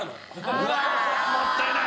うわもったいない！